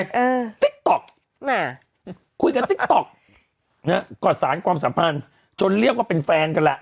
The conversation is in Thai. ติ๊กต๊อกแม่คุยกันติ๊กต๊อกนะฮะก็สารความสัมพันธ์จนเรียกว่าเป็นแฟนกันแหละ